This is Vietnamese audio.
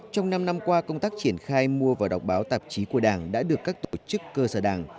trong năm năm qua công tác triển khai mua và đọc báo tạp chí của đảng đã được các tổ chức cơ sở đảng